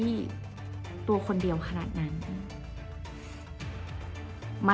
จนดิวไม่แน่ใจว่าความรักที่ดิวได้รักมันคืออะไร